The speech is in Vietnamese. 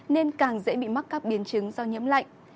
nên càng dễ bị mắc các biến chứng do nhiễm lạnh